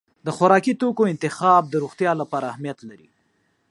د خوراکي توکو انتخاب د روغتیا لپاره اهمیت لري.